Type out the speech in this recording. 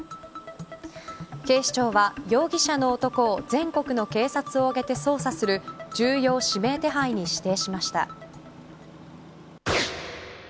警視庁は容疑者の男を全国の警察をあげて捜査する重要指名手配に指定しました。